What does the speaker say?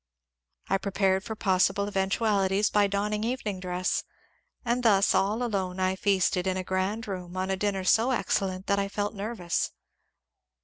I pre pared for possible eventualities by donning evening dress, and thus all alone I feasted in a grand room on a dinner so excel lent that I felt nervous.